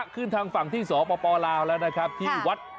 คืนทางฝั่งที่สหปคราวลาวละนะครับที่วัด